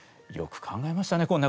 よく考えましたね